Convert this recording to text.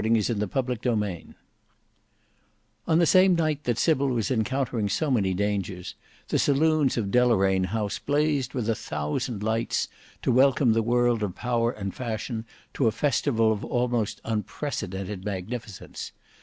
Book 5 Chapter 7 On the same night that Sybil was encountering so many dangers, the saloons of Deloraine House blazed with a thousand lights to welcome the world of power and fashion to a festival of almost unprecedented magnificence.